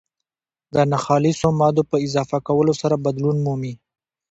د ناخالصو مادو په اضافه کولو سره بدلون مومي.